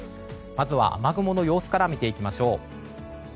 まずは雨雲の様子から見ていきましょう。